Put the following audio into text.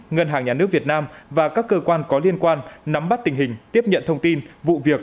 ngân hàng nhà nước việt nam và các cơ quan có liên quan nắm bắt tình hình tiếp nhận thông tin vụ việc